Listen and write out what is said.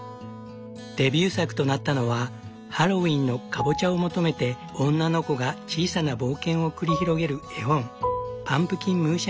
デビュー作となったのはハロウィーンのかぼちゃを求めて女の子が小さな冒険を繰り広げる絵本「パンプキンムーンシャイン」だった。